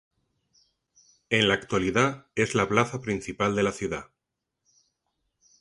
En la actualidad es la plaza principal de la ciudad.